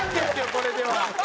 これでは。